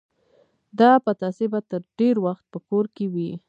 دا پتاسې به تر ډېر وخت په کور کې وې.